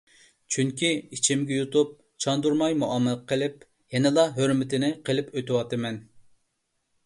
چۈنكى ئىچىمگە يۇتۇپ، چاندۇرماي مۇئامىلە قىلىپ، يەنىلا ھۆرمىتىنى قىلىپ ئۆتۈۋاتىمەن.